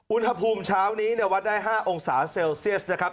อุณหภูมิเช้านี้วัดได้๕องศาเซลเซียสนะครับ